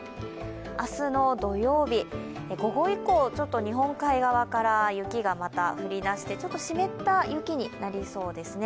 明日の土曜日、午後以降、日本海側から雪が降り出してちょっと湿った雪になりそうですね。